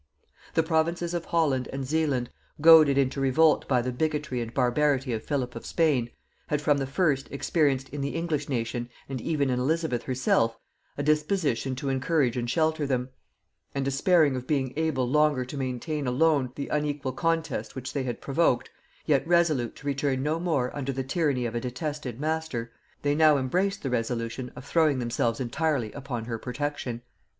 The provinces of Holland and Zealand, goaded into revolt by the bigotry and barbarity of Philip of Spain, had from the first experienced in the English nation, and even in Elizabeth herself, a disposition to encourage and shelter them; and despairing of being able longer to maintain alone the unequal contest which they had provoked, yet resolute to return no more under the tyranny of a detested master, they now embraced the resolution of throwing themselves entirely upon her protection.